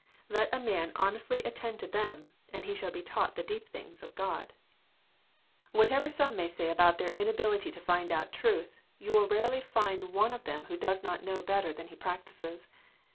Let a man honestly attend to them, and he shall be taught the deep things of God. JOHN, CHAP. vn. 15 YThatever some may say about their inability to find out truth, 3^ou will rarely find one of them who does not know better than he practises.